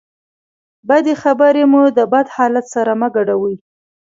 بدې خبرې مو د بد حالت سره مه ګډوئ.